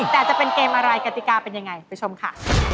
แต่จะเป็นเกมอะไรกติกาเป็นยังไงไปชมค่ะ